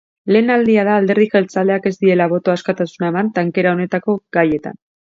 Lehen aldia da alderdi jeltzaleak ez diela boto askatasuna eman tankera honetako gaietan.